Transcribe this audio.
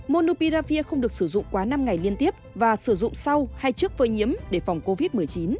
monopiravir không được sử dụng quá năm ngày liên tiếp và sử dụng sau hay trước phơi nhiễm để phòng covid một mươi chín